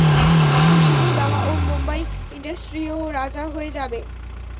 খুব শীঘ্রই বাবা ওম, বোম্বাই ইন্ড্রাসটিরও রাজা হয়ে যাবে।